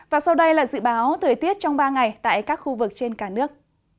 và sau đây là dự báo thời tiết trong ba ngày tại các khu vực trên cả nước